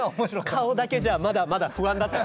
顔だけじゃまだまだ不安だった。